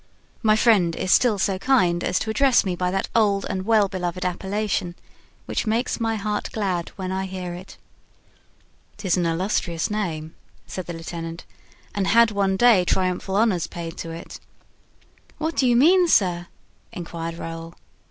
My friend is still so kind as to address me by that old and well beloved appellation, which makes my heart glad when I hear it." "'Tis an illustrious name," said the lieutenant, "and had one day triumphal honors paid to it." "What do you mean, sir?" inquired Raoul.